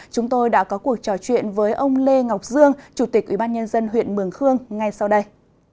chúng tôi đã có cuộc trò chuyện với ông lê ngọc dương chủ tịch ubnd huyện mường khương ngay sau đây